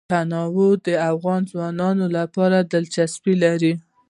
تنوع د افغان ځوانانو لپاره دلچسپي لري.